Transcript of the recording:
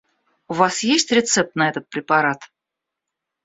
У вас есть рецепт на этот препарат?